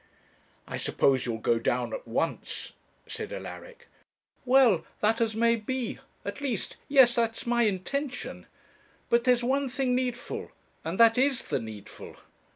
'I suppose you'll go down at once?' said Alaric. 'Well, that as may be at least, yes; that's my intention. But there's one thing needful and that is the needful.'